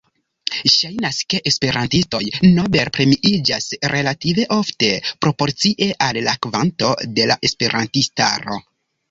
Ŝajnas ke esperantistoj Nobel-premiiĝas relative ofte, proporcie al la kvanto de la esperantistaro.